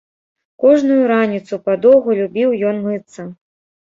Кожную раніцу падоўгу любіў ён мыцца.